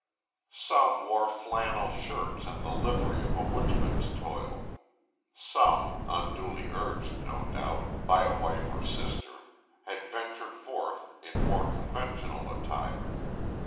Some wore flannel shirts and the livery of a woodsman's toil; some, unduly urged, no doubt, by a wife or sister, had ventured forth in more conventional attire.